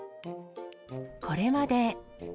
これまで。